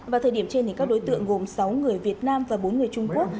vào thời điểm trên các đối tượng gồm sáu người việt nam và bốn người trung quốc